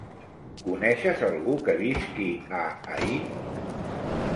Coneixes algú que visqui a Aín?